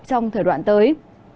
trong thời đoạn tới